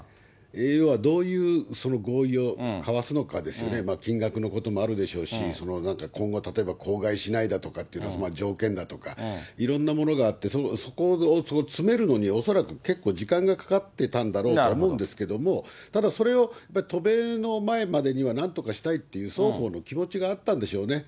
要はどういう合意を交わすのかですよね、金額のこともあるでしょうし、なんか今後、例えば口外しないだとか、条件だとか、いろんなものがあって、そこを詰めるのに恐らく結構時間がかかってたんだろうと思うんですけれども、ただ、それを渡米の前までにはなんとかしたいっていう双方の気持ちがあったんでしょうね。